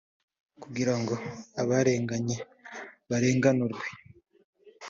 kugira ngo abarenganye barenganurwe